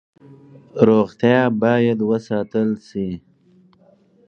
روغتیا باید وساتل شي